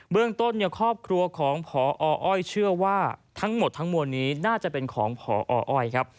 เรื่องต้นครอบครัวของพออ้อยเชื่อว่าทั้งหมดทั้งมวลนี้น่าจะเป็นของพออ้อยครับ